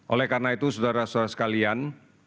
oleh karena itu saudara saudara sekalian